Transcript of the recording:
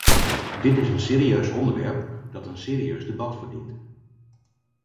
Dit is een serieus onderwerp dat een serieus debat verdient.